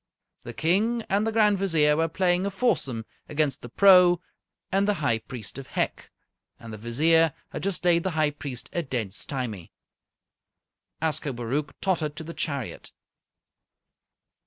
The King and the Grand Vizier were playing a foursome against the Pro and the High Priest of Hec, and the Vizier had just laid the High Priest a dead stymie. Ascobaruch tottered to the chariot.